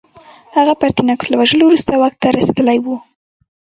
هغه پرتیناکس له وژلو وروسته واک ته رسېدلی و